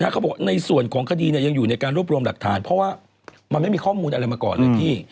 เขาบอกในส่วนของคดียังอยู่ในการรวบรวมหลักฐานเพราะว่ามันไม่มีข้อมูลอะไรมาก่อนเลยพี่